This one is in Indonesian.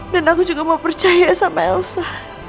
dan aku juga mau percaya sama elsa